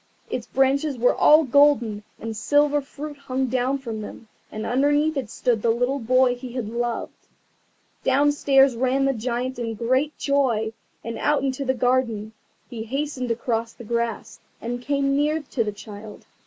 Its branches were all golden, and silver fruit hung down from them, and underneath it stood the little boy he had loved. Downstairs ran the Giant in great joy, and out into the garden. He hastened across the grass, and came near to the child.